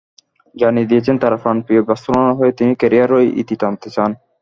জানিয়ে দিয়েছেন, তাঁর প্রাণ-প্রিয় বার্সেলোনার হয়েই তিনি ক্যারিয়ারের ইতি টানতে চান।